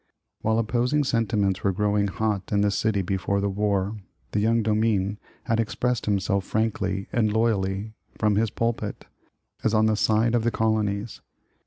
"While opposing sentiments were grow ing hot in the city before the war, the young Domine 69 The Original John Jacob Astor had expressed himself frankly and loyally, from hib pulpit, as on the side of the Colonies.